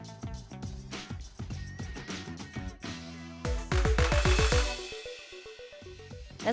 menurut tni penyelamatnya akan bertahap dengan nyata